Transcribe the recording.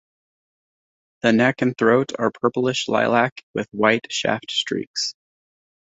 The neck and throat are purplish lilac with white shaft streaks.